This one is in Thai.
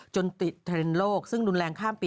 จนติดเทรนด์โลกซึ่งรุนแรงข้ามปี